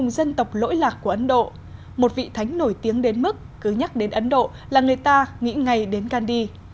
dân tộc lỗi lạc của ấn độ một vị thánh nổi tiếng đến mức cứ nhắc đến ấn độ là người ta nghĩ ngay đến gandhi